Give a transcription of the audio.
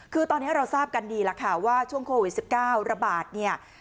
คือตอนนี้เราทราบกันดีแล้วค่ะว่าช่วงโควิด๑๙ระบาดเนี่ย